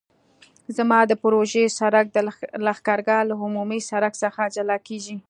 زما د پروژې سرک د لښکرګاه له عمومي سرک څخه جلا کیږي